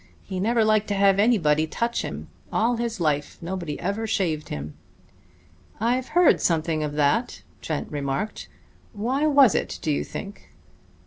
He never liked to have anybody touch him. All his life nobody ever shaved him." "I've heard something of that," Trent remarked. "Why was it, do you think?"